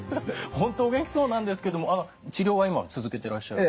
本当お元気そうなんですけども治療は今続けてらっしゃる？